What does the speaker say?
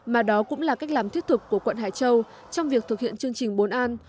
mà đó cũng là cách làm thiết thực của quận hải châu trong việc thực hiện chương trình bốn an